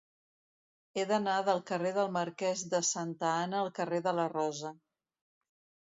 He d'anar del carrer del Marquès de Santa Ana al carrer de la Rosa.